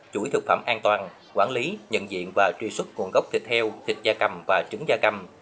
chuỗi thực phẩm an toàn quản lý nhận diện và truy xuất nguồn gốc thịt heo thịt da cầm và trứng da cầm